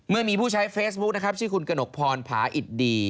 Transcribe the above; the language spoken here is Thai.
เมื่อมีผู้ใช้เฟซบุ๊คนะครับชื่อคุณกระหนกพรผาอิตดี